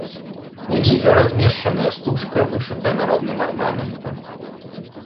Унізе размешчаная стужка, вышытая народным арнаментам.